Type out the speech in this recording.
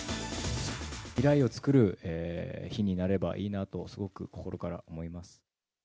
未来を作る日になればいいなと、すごく心から思います。